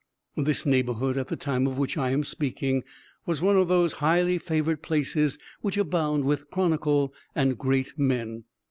This neighborhood, at the time of which I am speaking, was one of those highly favored places which abound with chronicle and great men.